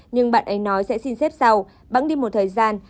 nhưng bạn ấy nói sẽ xin xếp sau bạn đi một thời gian